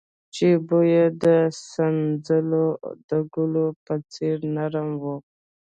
چې بوى يې د سنځلو د ګلو په څېر نرم و.